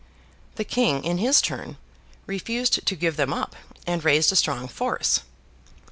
The King, in his turn, refused to give them up, and raised a strong force.